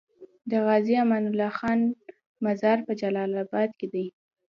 د غازي امان الله خان مزار په جلال اباد کی دی